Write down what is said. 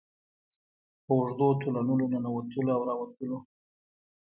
په اوږدو تونلونو ننوتلو او راوتلو.